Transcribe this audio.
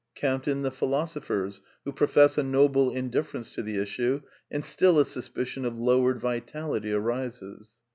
Count in the philosophers who profess a noble indiffer ence to the issue, and still a suspicion of lowered vitality arises.